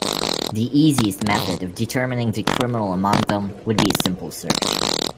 The easiest method of determining the criminal among them would be a simple search.